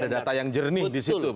ada data yang jernih di situ